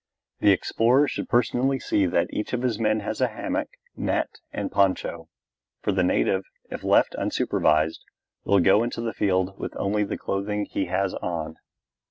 The explorer should personally see that each of his men has a hammock, net, and poncho; for the native, if left unsupervised, will go into the field with only the clothing he has on.